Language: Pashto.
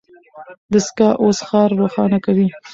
دستګاه اوس ښار روښانه کوي.